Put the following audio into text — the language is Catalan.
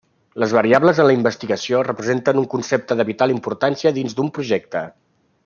Les variables en la investigació, representen un concepte de vital importància dins d'un projecte.